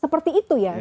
seperti itu ya